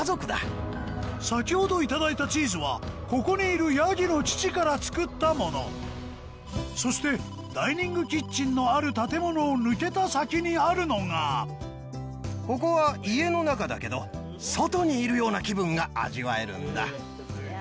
先ほど頂いたチーズはここにいるヤギの乳から作ったものそしてダイニングキッチンのある建物を抜けた先にあるのがここは家の中だけど外にいるような気分が味わえるんだ。